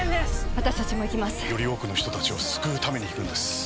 私達も行きますより多くの人達を救うために行くんです